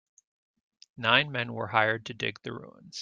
Nine men were hired to dig the ruins.